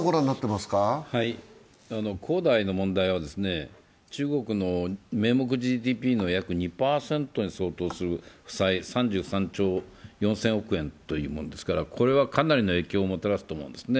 恒大の問題は中国の名目ＧＤＰの約２％に相当する負債３３兆４０００億円というものですから、これはかなりの影響をもたらすと思うんです。